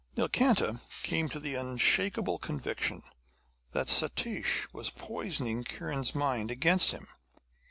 Nilkanta came to the unshakable conviction that Satish was poisoning Kiran's mind against him.